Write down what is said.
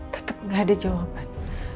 tetep gak ada jawaban